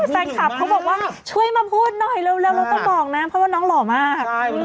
แฟนคลับเขาบอกว่าช่วยมาพูดหน่อยเร็วเราต้องบอกนะเพราะว่าน้องหล่อมาก